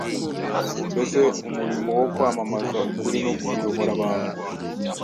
Mbese umurimo wo kwamamaza ukuri no kuyobora abantu